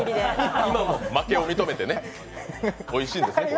負けを認めてね、おいしいんですね。